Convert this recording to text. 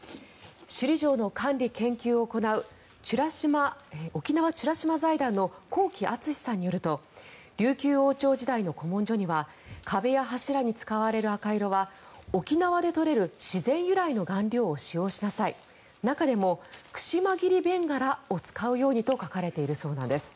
首里城の管理・研究を行う沖縄美ら島財団の幸喜淳さんによると琉球王朝時代の古文書には壁や柱に使われる赤色は沖縄で取れる自然由来の顔料を使用しなさい中でも弁柄を使うようにと書かれているそうなんです。